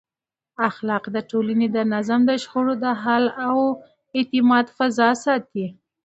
اخلاق د ټولنې د نظم، د شخړو د حل او د اعتماد فضا ساتي.